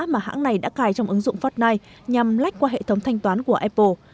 mà hãng này đã cài trong ứng dụng fortnite nhằm lách qua hệ thống thanh toán của apple